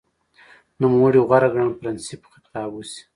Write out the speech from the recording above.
نوموړي غوره ګڼله پرنسېپ خطاب وشي